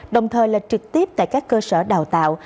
đồng thời là trực tiếp tại các cơ sở đào tạo